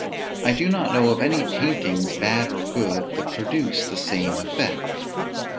I do not know of any paintings, bad or good, that produce the same effect.